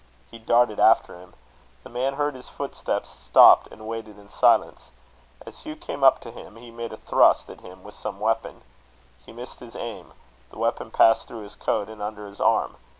He darted after him. The man heard his footsteps, stopped, and waited in silence. As Hugh came up to him, he made a thrust at him with some weapon. He missed his aim. The weapon passed through his coat and under his arm.